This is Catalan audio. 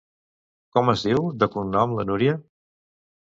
Com es diu de cognom la Núria?